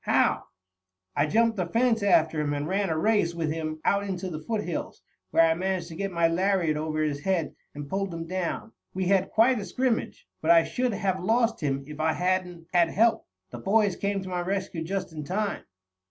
"How?" "I jumped the fence after him, and ran a race with him out into the foothills, where I managed to get my lariat over his head and pulled him down. We had quite a scrimmage, but I should have lost him if I hadn't had help. The boys came to my rescue just in time."